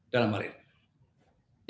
dalam hal ini